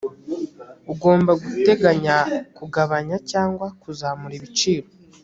ugomba guteganya kugabanya cyangwa kuzamura ibiciro